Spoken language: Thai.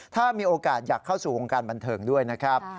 ถ้ามีโอกาสอยากเข้าสู่วงการบันเทิงด้วยนะครับ